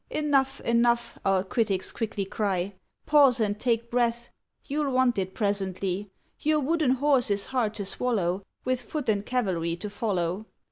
"Enough, enough!" our critics quickly cry, "Pause and take breath; you'll want it presently. Your wooden horse is hard to swallow, With foot and cavalry to follow.